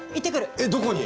えどこに？